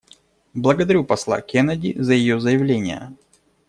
Благодарю посла Кеннеди за ее заявление.